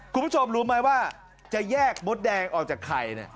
คุณผู้ชมรู้ไหมว่าจะแยกมดแดงออกจากไข่